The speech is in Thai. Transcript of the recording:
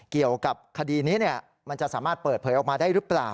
เกี่ยวกับคดีนี้มันจะสามารถเปิดเผยออกมาได้หรือเปล่า